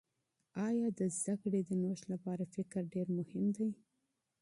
آیا د علم د نوښت لپاره فکر ډېر مهم دي؟